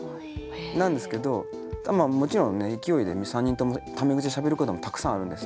なんですけどもちろん勢いで３人ともため口でしゃべることもたくさんあるんです。